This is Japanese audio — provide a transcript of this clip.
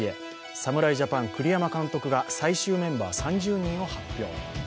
侍ジャパン・栗山監督が最終メンバー３０人を発表。